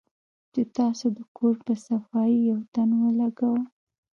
چې تاسو د کور پۀ صفائي يو تن ولګوۀ